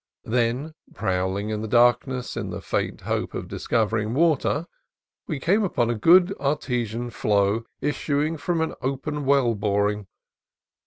Then, prowling in the darkness in the faint hope of discovering water, we came upon a good artesian flow issuing from an open well boring.